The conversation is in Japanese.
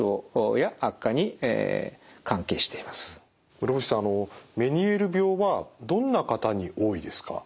室伏さんあのメニエール病はどんな方に多いですか？